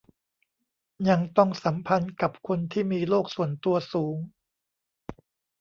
ยังต้องสัมพันธ์กับคนที่มีโลกส่วนตัวสูง